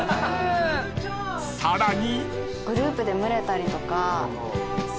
［さらに］